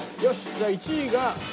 じゃあ１位が。